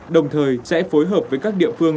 đồng thời sẽ phối hợp với các địa phương